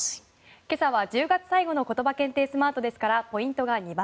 今朝は１０月最後のことば検定スマートですからポイントが２倍。